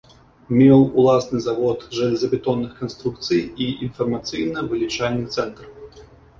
Меў уласны завод жалезабетонных канструкцый і інфармацыйна-вылічальны цэнтр.